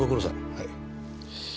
はい。